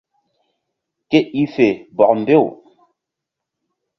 Ke i fe bɔk mbew.